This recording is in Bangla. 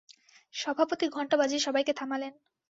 সভাপতি ঘণ্টা বাজিয়ে সবাইকে থামালেন।